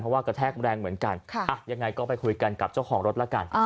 เพราะว่ากระแทกแรงเหมือนกันยังไงก็ไปคุยกันกับเจ้าของรถละกัน